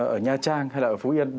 ở nha trang hay là ở phú yên